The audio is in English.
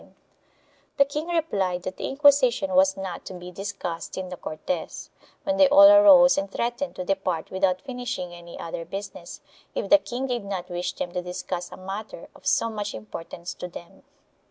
442 CONFLICTING JURISDICTIONS [BOOK II The king replied that the Inquisition was not to be discussed in the Cortes, when they all arose and threatened to depart without finishing any other business, if the king did not wish them to discuss a matter of so much importance to them.